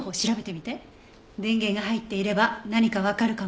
電源が入っていれば何かわかるかも。